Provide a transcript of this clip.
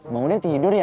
bangudin tidur ya